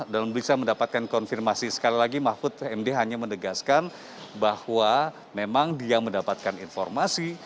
dalam periksa mendapatkan konfirmasi sekali lagi mahfud md hanya menegaskan bahwa memang dia mendapatkan informasi